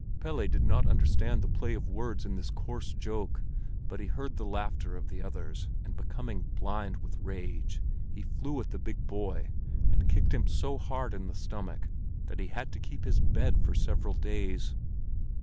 Pelle did not understand the play of words in this coarse joke, but he heard the laughter of the others, and becoming blind with rage, he flew at the big boy, and kicked him so hard in the stomach, that he had to keep his bed for several days.